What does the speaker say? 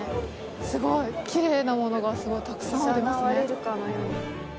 すごいきれいなものがすごいたくさんありますね。